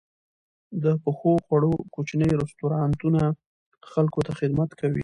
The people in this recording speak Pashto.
د پخو خوړو کوچني رستورانتونه خلکو ته خدمت کوي.